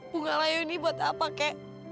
bunga layu ini buat apa kek